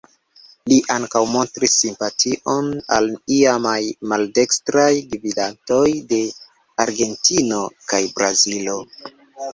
Li ankaŭ montris simpation al iamaj maldekstraj gvidantoj de Argentino kaj Brazilo.